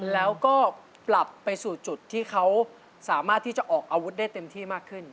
แล้วก็ปรับไปสู่จุดที่เขาสามารถที่จะออกอาวุธได้เต็มที่มากขึ้น